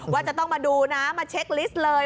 ว่าจะต้องมาดูนะมาเช็คลิสต์เลย